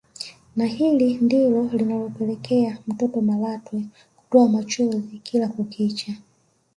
Na hili ndilo linalopelekea mtoto Malatwe kutoa machozi kila kukicha